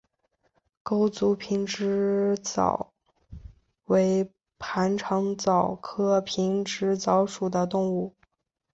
钩足平直蚤为盘肠蚤科平直蚤属的动物。